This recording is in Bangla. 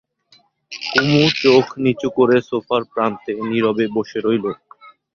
কুমু চোখ নিচু করে সোফার প্রান্তে নীরবে বসে রইল।